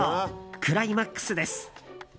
クライマックスです。